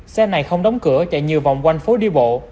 xe này không đóng cửa chạy nhiều vòng quanh phố đi bộ